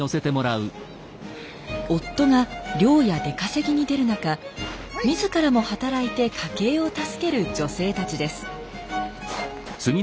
夫が漁や出稼ぎに出る中みずからも働いて家計を助ける女性たちです。